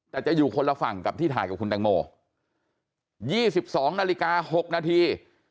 แต่จะอยู่คนละฝั่งกับที่ถ่ายกับคุณแตงโม๒๒นาฬิกา๖นาที